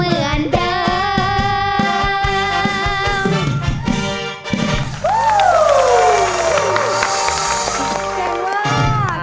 เยี่ยมมาก